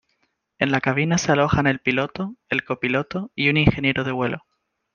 En la cabina se alojan el piloto, el copiloto y un ingeniero de vuelo.